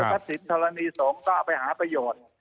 แล้วทรัพย์สินธรณีสงส์ก็เอาไปหาประโยชน์